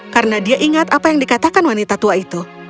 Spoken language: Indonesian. karena dia ingat apa yang dikatakan wanita tua itu